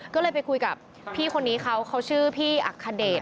ก็เลยไปคุยกับพี่คนนี้เขาเขาชื่อพี่อักขเดช